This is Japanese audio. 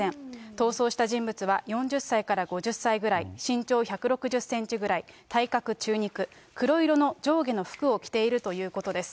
逃走した人物は４０歳から５０歳ぐらい、身長１６０センチぐらい、体格中肉、黒色の上下の服を着ているということです。